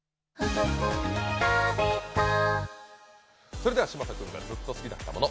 それでは嶋佐君がずっと好きだったもの